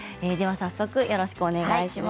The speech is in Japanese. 早速よろしくお願いします。